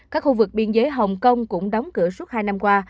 các khu vực biên giới hồng kông cũng đóng cửa suốt hai năm qua